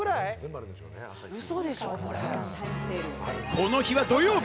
この日は土曜日。